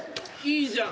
いいじゃん。